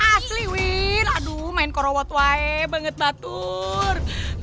asli win aduh main korowat wae banget batur